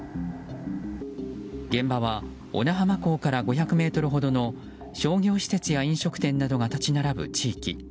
現場は小名浜港から５００ｍほどの商業施設や飲食店などが立ち並ぶ地域。